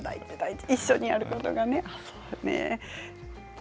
一緒にやることがね。